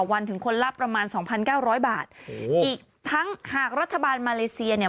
วันถึงคนละประมาณสองพันเก้าร้อยบาทอีกทั้งหากรัฐบาลมาเลเซียเนี่ย